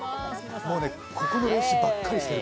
ここの練習ばっかりしている